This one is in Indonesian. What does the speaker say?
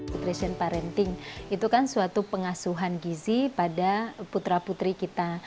nutrition parenting itu kan suatu pengasuhan gizi pada putra putri kita